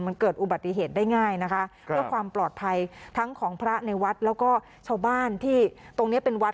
มันเกิดอุบัติเหตุได้ง่ายนะคะเพื่อความปลอดภัยทั้งของพระในวัดแล้วก็ชาวบ้านที่ตรงเนี้ยเป็นวัด